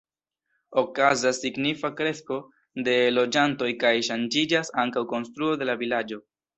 Okazas signifa kresko de loĝantoj kaj ŝanĝiĝas ankaŭ konstruo de la vilaĝo.